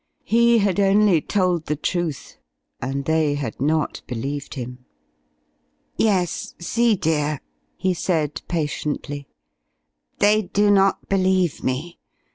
He had only told the truth and they had not believed him. "Yes see, dear," he said, patiently, "they do not believe me.